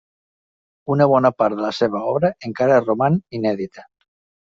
Una bona part de la seva obra encara roman inèdita.